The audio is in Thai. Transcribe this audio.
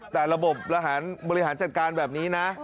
แต่ระบบบริหารจัดการแบบนี้นะ